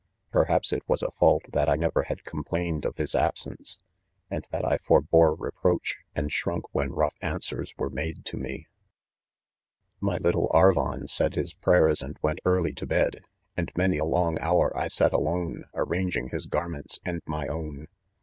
Perhaps it was a fault that I never had complained; of his absence, and. that i forbore reproach, and shrank when rough answers were made to me. 4S IDGMEN, " My little Arvon said his prayers and went early to bed, and many a long 'hour I sat alone arranging his garments and my own.